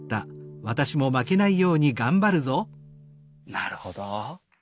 なるほど。